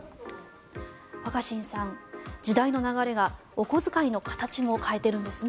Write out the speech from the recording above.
若新さん、時代の流れがお小遣いの形も変えているんですね。